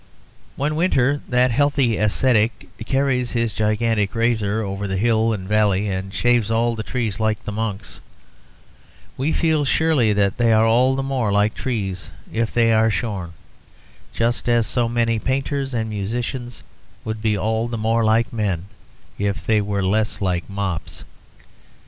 When winter, that healthy ascetic, carries his gigantic razor over hill and valley, and shaves all the trees like monks, we feel surely that they are all the more like trees if they are shorn, just as so many painters and musicians would be all the more like men if they were less like mops.